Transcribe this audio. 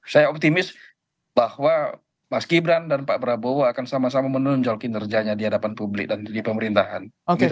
saya optimis bahwa mas gibran dan pak prabowo akan sama sama menonjol kinerjanya di hadapan publik dan di pemerintahan